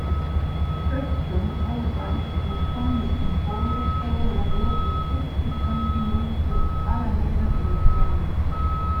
Spectrum HoloByte was founded in Boulder, Colorado but subsequently moved to Alameda, California.